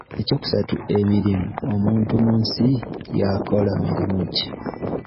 Ekyokusatu emirimu, omuntu mu nsi yakola mirimu ki?